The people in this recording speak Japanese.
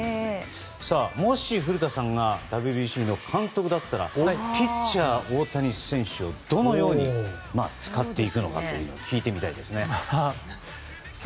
もし古田さんがＷＢＣの監督だったらピッチャー、大谷選手をどのように使っていくのかを聞いてみたいですね。